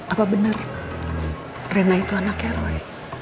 apa benar rena itu anaknya roy